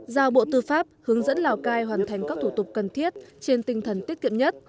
giao bộ tư pháp hướng dẫn lào cai hoàn thành các thủ tục cần thiết trên tinh thần tiết kiệm nhất